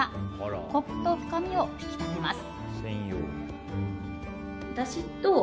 コクと深みを引き立てます。